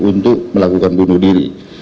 untuk melakukan bunuh diri